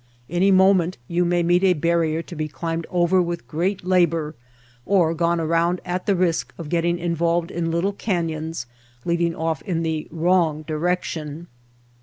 Any moment you may meet a barrier to be climbed over with great labor or gone around at the risk of getting involved in little canyons leading ofif in the wrong direction.